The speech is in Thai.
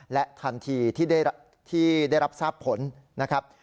และทันทีที่ได้รับทราบผลนะครับ